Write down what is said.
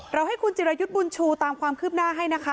ให้คุณจิรายุทธ์บุญชูตามความคืบหน้าให้นะคะ